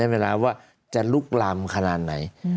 เวลาว่าจะลุกลามขนาดไหน